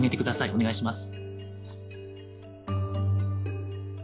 お願いします。